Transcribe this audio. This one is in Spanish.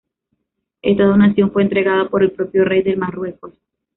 Esta donación fue entregada por el propio Rey del Marruecos.